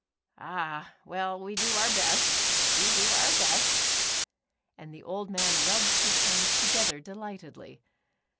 Ah, well we do our best, we do our best," and the old man rubbed his hands to gether, delightedly.